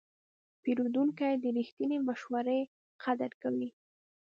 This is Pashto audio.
پیرودونکی د رښتینې مشورې قدر کوي.